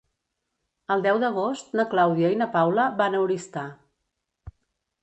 El deu d'agost na Clàudia i na Paula van a Oristà.